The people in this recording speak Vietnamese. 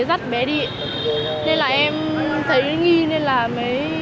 các sinh viên nhanh chóng quay lại